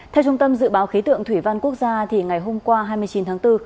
theo trung tâm dự báo khí tượng thủy văn quốc gia ngày hôm qua hai mươi chín tháng bốn